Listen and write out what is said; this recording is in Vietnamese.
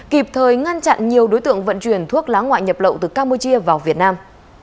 kịp thời ngăn chặn nhiều đối tượng vận chuyển thuốc lá ngoại nhập lậu từ campuchia vào việt nam